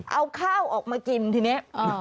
เอาข้าวออกมากินทีนี้